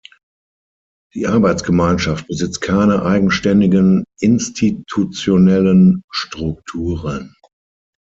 Die Arbeitsgemeinschaft besitzt keine eigenständigen institutionellen Strukturen.